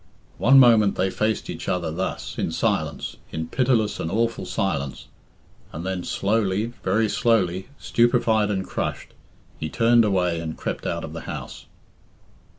One moment they faced each other thus, in silence, in pitiless and awful silence, and then slowly, very slowly, stupefied and crushed, he turned away and crept out of the house.